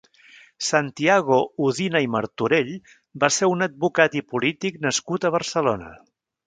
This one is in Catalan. Santiago Udina i Martorell va ser un advocat i polític nascut a Barcelona.